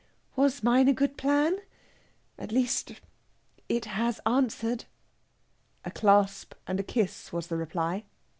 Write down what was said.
Was mine a good plan? At least, it has answered." A clasp and a kiss was the reply.